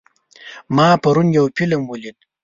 ما پرون یو فلم ولید.